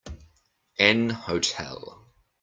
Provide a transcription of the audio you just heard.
An hotel.